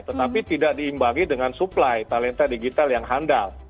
tetapi tidak diimbangi dengan supply talenta digital yang handal